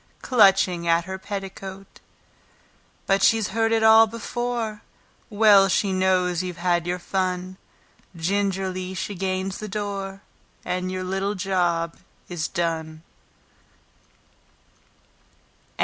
Clutching at her petticoat; But she's heard it all before, Well she knows you've had your fun, Gingerly she gains the door, And your little job is done.